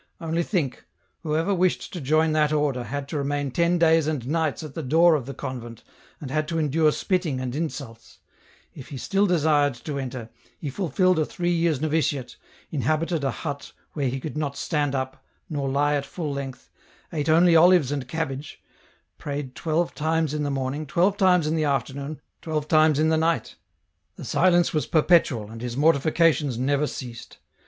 Only think ; whoever wished to join that order had to remain ten days and nights at the door of the convent, and had to endure spitting and insults ; if he still desired to enter, he fulfilled a three years' novitiate, inhabited a hut where he could not stand up, nor lie at full length, ate only olives and cabbage, prayed twelve times in the morning, twelve times in the afternoon, twelve times in the night ; the silence was perpetual, and his mortifications never ceased.